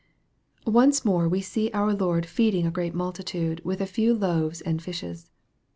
ONCE more we see our Lord feeding a great multitude with a few loaves and fishes.